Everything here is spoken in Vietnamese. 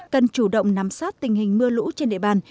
cần chủ động nắm sát tình hình mưa lũ trên địa bàn